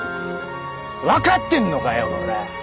わかってんのかよコラ！